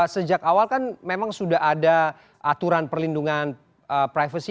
sejak awal kan memang sudah ada aturan perlindungan privasi